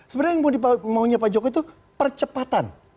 sebenarnya yang mau dipakai pak jokowi itu percepatan